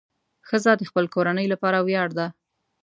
ښځه د خپل کورنۍ لپاره ویاړ ده.